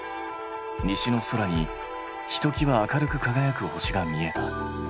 西の空にひときわ明るくかがやく星が見えた。